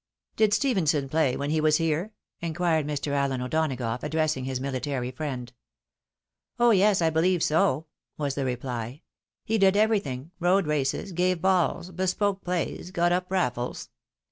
" Did Stephenson play when he was here ?" inquired Mr. Alien O'Donagough, addressing his military friend. " Oh yes, I believe so !" was the reply. " He did everything — ^rode races, gave balls, bespoke plays, got up rafiles.